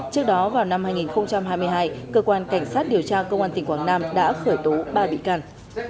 trước đó vào năm hai nghìn hai mươi hai cơ quan cảnh sát điều tra công an tỉnh quảng nam đã khởi tố ba bị can